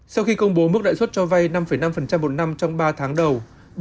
sau khi công bố mức lãi suất cho vay năm năm một năm trong ba tháng đầu